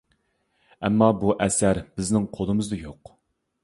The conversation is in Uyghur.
ئەمما بۇ ئەسەر بىزنىڭ قولىمىزدا يوق.